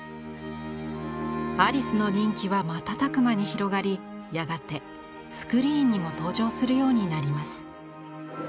アリスの人気は瞬く間に広がりやがてスクリーンにも登場するようになります。